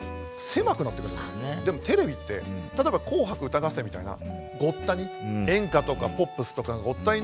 でもテレビって例えば「紅白歌合戦」みたいなごった煮演歌とかポップスとかがごった煮になる。